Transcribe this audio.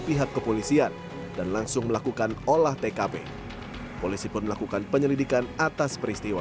pihak kepolisian dan langsung melakukan olah tkp polisi pun melakukan penyelidikan atas peristiwa